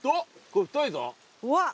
うわっ。